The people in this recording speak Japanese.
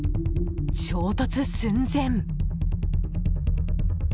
衝突寸前。